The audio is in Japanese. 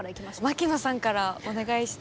槙野さんからお願いして。